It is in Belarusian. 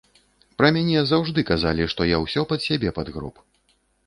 Пра мяне заўжды казалі, што я ўсё пад сябе падгроб.